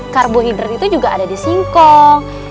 karbohidrat itu juga ada di singkong